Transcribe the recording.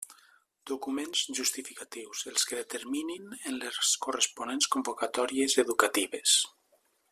Documents justificatius: els que determinin en les corresponents convocatòries educatives.